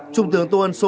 trung tướng tôn sô